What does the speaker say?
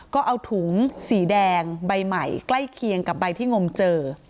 ก็เอาถุงสีแดงใบใหม่ใกล้เคียงกับใบที่งมเจอ